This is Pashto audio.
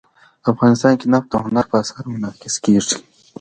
افغانستان کې نفت د هنر په اثار کې منعکس کېږي.